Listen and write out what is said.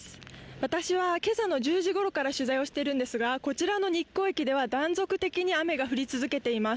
私は今朝の１０時ごろから取材しているんですが、こちらの日光駅では断続的に雨が降り続けています。